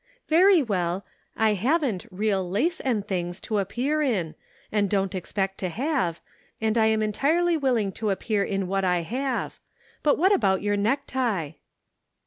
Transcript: "Very well. I haven't 'real lace and things' to appear in, and don't expect to have, and I am entirety willing to appear in what I have ; but what about your neck tie